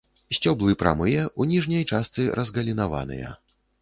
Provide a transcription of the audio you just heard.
Сцеблы прамыя, у ніжняй частцы разгалінаваныя.